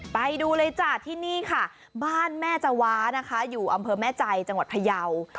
ไปดูเลยจ้ะที่นี่ค่ะบ้านแม่จวานะคะอยู่อำเภอแม่ใจจังหวัดพยาว